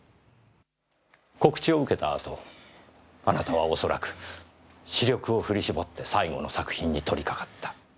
告知を受けた後あなたは恐らく死力を振り絞って最後の作品に取りかかった。